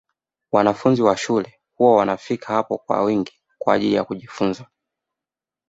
Wanafunzi wa shule huwa wanafika hapo kwa wingi kwa ajili ya kujifunza